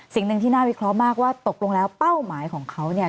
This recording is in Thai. สิ่งหนึ่งที่น่าวิเคราะห์มากว่าตกลงแล้วเป้าหมายของเขาเนี่ย